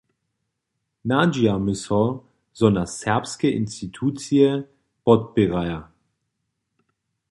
Nadźijamy so, zo nas serbske institucije podpěraja.